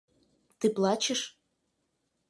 – Ты плачешь?